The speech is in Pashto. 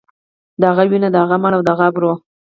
د هغه وينه، د هغه مال او د هغه ابرو.